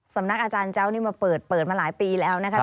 สำนักอาจารย์เจ้านี่มาเปิดมาหลายปีแล้วนะคะ